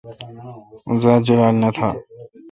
اوزات جولال نہ تھان۔